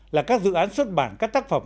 là các dự án xuất bản các tác phẩm